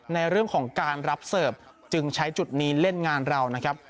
ในเรื่องของการรับเสิร์ฟจึงใช้จุดนี้เล่นงานเรานะครับ